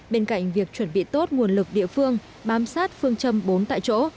bên cạnh việc chuẩn bị tốt nguồn lực địa phương bám sát phương châm bốn tại chỗ